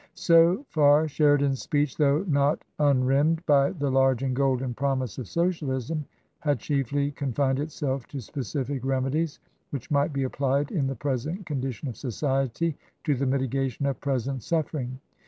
So far Sheridan's speech, though not unrimmed by the large and golden promise of Socialism, had chiefly con fined itself to specific remedies which might be applied in the present condition of society to the mitigation of present suffering.